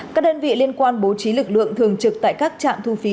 các đơn vị liên quan bố trí lực lượng thường trực tại các trạm thu phí